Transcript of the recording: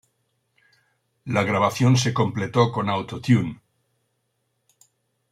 La grabación se completó con Auto-Tune.